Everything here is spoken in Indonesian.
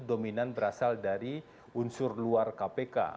dominan berasal dari unsur luar kpk